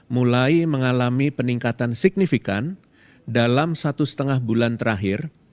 mulai mengalami peningkatan signifikan dalam satu setengah bulan terakhir